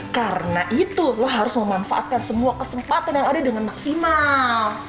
karena itu lo harus memanfaatkan semua kesempatan yang ada dengan maksimal